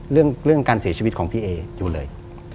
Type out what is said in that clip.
เรื่องการเสียชีวิตของพี่เออยู่เลย